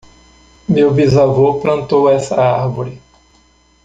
Meu bisavô plantou essa árvore.